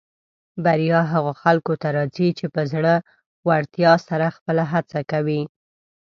بریا هغه خلکو ته راځي چې په زړۀ ورتیا سره خپله هڅه کوي.